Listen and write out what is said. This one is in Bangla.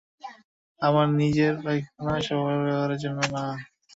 আমার নিজের পায়খানা, সবার ব্যবহারের জন্য না।